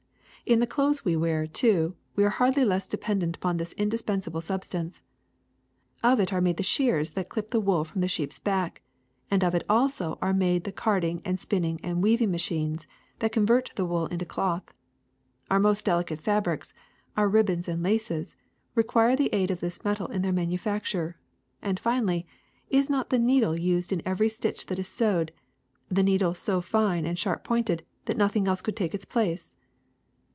*^In the clothes we wear, too, we are" hardly less dependent upon this indispensable substance. Of it are made the shears that clip the wool from the sheep's back, and of it also are made the carding and spinning and weaving machines that convert the wool into cloth. Our most delicate fabrics, our ribbons and laces, require the aid of this metal in their manufacture ; and, finally, is not the needle used in every stitch that is sewed, the needle so fine and sharp pointed that nothing else could take its place?''